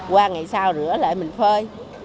qua ngày sau rửa lại mình phơi